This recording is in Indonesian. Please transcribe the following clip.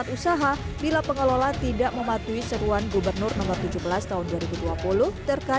sudah ada keluar keluar keluar